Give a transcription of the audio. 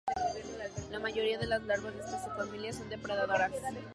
La mayoría de las larvas de esta subfamilia son depredadoras.